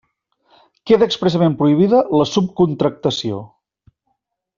Queda expressament prohibida la subcontractació.